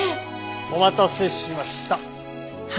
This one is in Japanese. お待たせしました。